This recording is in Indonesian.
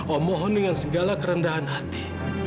oh mohon dengan segala kerendahan hati